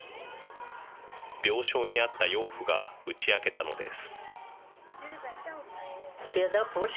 病床にあった養父が打ち明けたのです。